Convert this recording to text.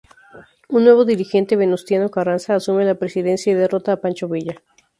Un nuevo dirigente, Venustiano Carranza, asume la presidencia y derrota a Pancho Villa.